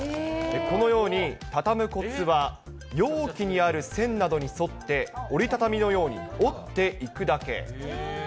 このように畳むこつは、容器にある線などに沿って、折り畳みのように折っていくだけ。